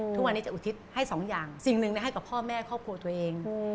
ทุกวันนี้จะอุทิศให้สองอย่างสิ่งหนึ่งให้กับพ่อแม่ครอบครัวตัวเอง